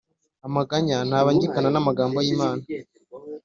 amaganya ntabangikana n’amagambo y’imana!